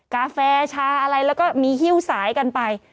กาแฟชาอะไรแล้วก็มีหิ้วสายกันไป